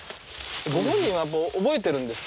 ご本人はやっぱ覚えてるんですか？